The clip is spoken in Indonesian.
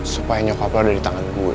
supaya nyokap lo udah di tangan gue